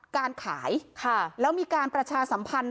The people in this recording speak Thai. การขายแล้วมีการประชาสัมพันธ์